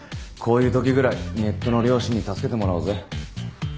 こういうときぐらいネットの良心に助けてもらおうぜ。